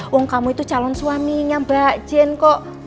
wong kamu itu calon suaminya mbak jen kok